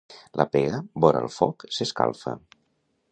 La pega vora el foc s'escalfa.